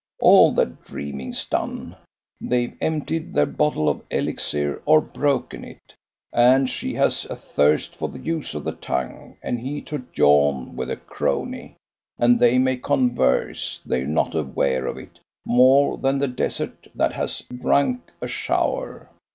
All their dreaming's done. They've emptied their bottle of elixir, or broken it; and she has a thirst for the use of the tongue, and he to yawn with a crony; and they may converse, they're not aware of it, more than the desert that has drunk a shower.